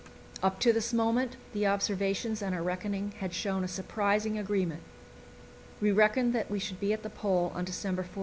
Up to this moment the observations and our reckoning had shown a surprising agreement. We reckoned that we should be at the Pole on December 14.